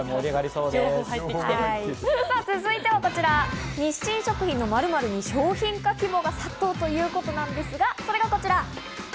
続いてはこちら、日清食品の○○に商品化希望が殺到ということなんですが、それがこちら。